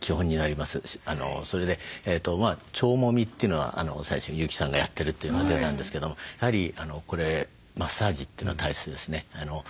それで「腸もみ」というのは最初に優木さんがやってるというのが出たんですけどもやはりこれマッサージというのは大切ですね。